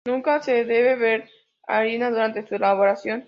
Nunca se debe verter harina durante su elaboración.